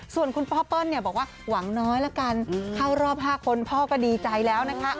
ส่วนคุณพ่อเปิ้ลเนี่ยบอกว่าหวังน้อยละกันเข้ารอบ๕คนพ่อก็ดีใจแล้วนะคะ